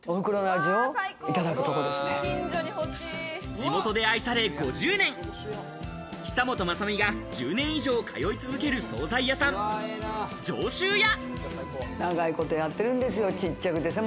地元で愛され５０年、久本雅美が１０年以上通い続ける惣菜屋さん、上州屋。